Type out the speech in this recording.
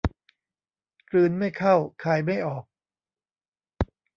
กลืนไม่เข้าคายไม่ออก